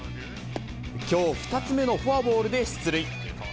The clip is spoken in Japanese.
きょう２つ目のフォアボールで出塁。